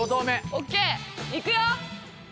ＯＫいくよ。